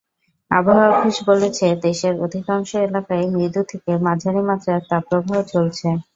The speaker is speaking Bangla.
আবহাওয়া অফিস বলেছে, দেশের অধিকাংশ এলাকায় মৃদু থেকে মাঝারি মাত্রার তাপপ্রবাহ চলছে।